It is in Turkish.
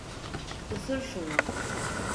Isır şunu.